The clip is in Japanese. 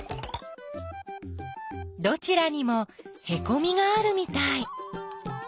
どちらにもへこみがあるみたい。